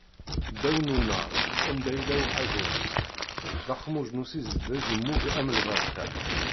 Ddaw n unnar, anda yella uḥaḍun, d axmuj n usizdeg immug am lberka.